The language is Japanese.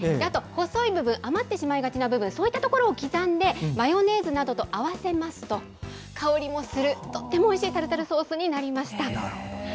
あと細い部分、余ってしまいがちな部分、そういった所を刻んでマヨネーズなどと合わせますと、香りもする、とってもおいしいタルタルソースになりました。